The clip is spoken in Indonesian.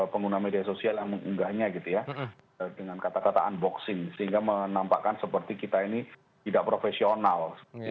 pengguna media sosial yang mengunggahnya gitu ya dengan kata kata unboxing sehingga menampakkan seperti kita ini tidak profesional